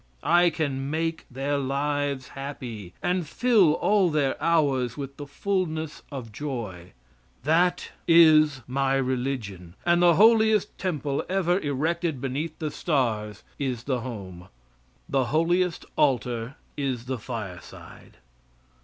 I can make their lives happy and fill all their hours with the fullness of joy. That is my religion; and the holiest temple ever erected beneath the stars is the home; the holiest altar is the fireside.